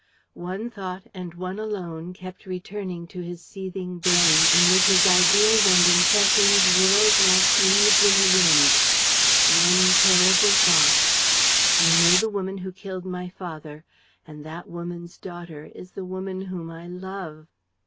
One thought and one alone kept returning to his seething brain, in which his ideas and impressions whirled like leaves in the wind; one terrible thought: "I know the woman who killed my father; and that woman's daughter is the woman whom I love."